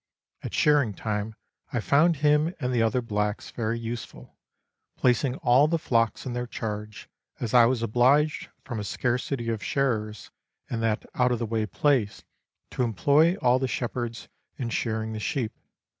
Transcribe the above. At shearing time I found him and the other blacks very useful, placing all the flocks in their charge, as I was obliged from a scarcity of shearers in that out of the way place to employ all the shepherds in shearing the sheep.